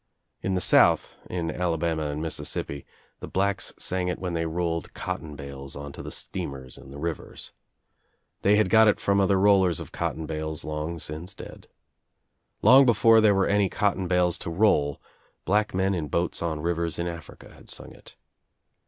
In the South, in Alabama and Mississippi the blacks sang it when they rolled cotton OUT OF NOWHERE INTO, NOTHING 229 I: ^^rom other rollers of cotton bales long since dead. Long before there were any cotton bales to roll black men in boats on rivers in Africa had sung it.